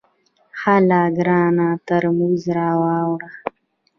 هله ګرانه ترموز راوړه !